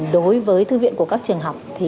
đối với thư viện của các trường học